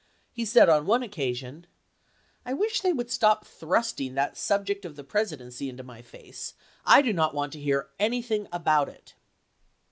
He said on one occasion, "I wish they would stop thrusting that subject of the Pres idency into my face. I do not want to hear any thing about it."